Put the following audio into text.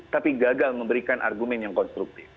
tapi gagal memberikan argumen yang konstruktif